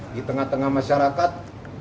di tengah tengah masyarakat